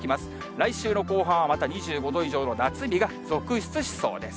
来週の後半は、また２５度以上の夏日が続出しそうです。